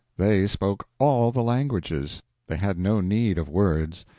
They spoke all the languages—they had no need of words.